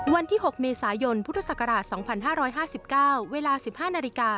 วันที่๖เมษายนพุทธศักราช๒๕๕๙เวลา๑๕นาฬิกา